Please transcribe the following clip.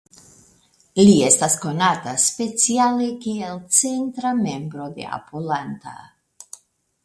Li estas konata speciale kiel centra membro de Apulanta.